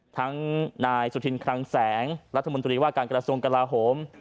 ทั้งนายสุธินคลังแสงรัฐมนตรีว่าการกระทรวงกลาโหม